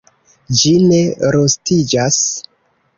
Ĝi ne rustiĝas.